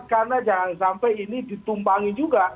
karena jangan sampai ini ditumpangi juga